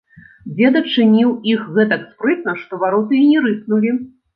Дзед адчыніў іх гэтак спрытна, што вароты і не рыпнулі.